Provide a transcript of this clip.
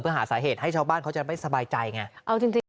เพื่อหาสาเหตุให้ชาวบ้านเขาจะไม่สบายใจไง